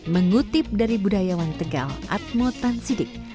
mengutip dari budayawan tegal atmo tansidik